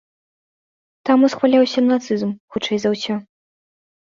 Там усхваляўся нацызм, хутчэй за ўсё.